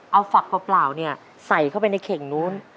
เอาฝักเปล่าเนี่ยใส่เข้าไปในเข่งนู้น